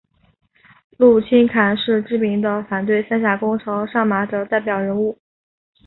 陆钦侃是知名的反对三峡工程上马的代表人物。